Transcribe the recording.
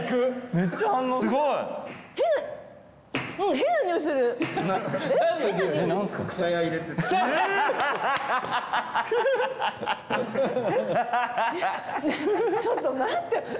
ねぇちょっと待って。